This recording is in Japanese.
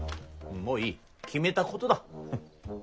もういい決めたことだ。